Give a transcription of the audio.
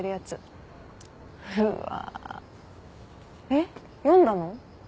えっ読んだの？